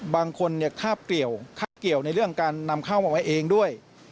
บางคนข้าบเกี่ยวในเรื่องการนำเข้ามาไว้เองด้วย